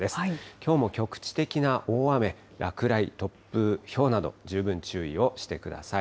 きょうも局地的な大雨、落雷、突風、ひょうなど、十分注意をしてください。